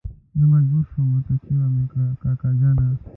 زه مجبور شوم ورته چيغه مې کړه کاکا جانه.